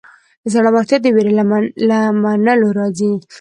زړورتیا د وېرې له منلو راځي.